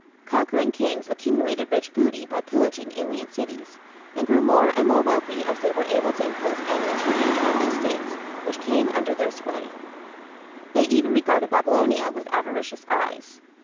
Conquering kings accumulated rich booty by pillaging alien cities, and grew more and more wealthy as they were able to impose annual tribute on those States which came under their sway. They even regarded Babylonia with avaricious eyes.